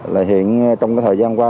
là hiện trong cái thời gian qua